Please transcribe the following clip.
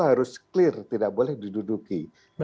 harus clear tidak boleh diduduki